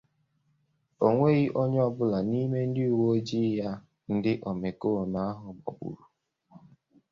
o nweghị onye ọbụla n'ime ndị uweojii ya ndị omekoome ahụ gbagburu